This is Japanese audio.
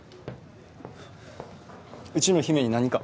うちの姫に何か？